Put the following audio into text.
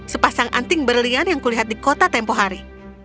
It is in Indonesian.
sepasang anting berlian yang kulihat di kota tempoh hari